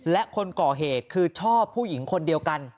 และคนก่อเหตุคือชอบผู้หญิงคนเดียวกัน